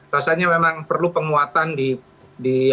rasanya memang perlu penguatan di